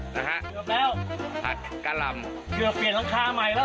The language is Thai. นะฮะผัดกะหล่ำเหลือเปลี่ยนร้างคาใหม่แล้ว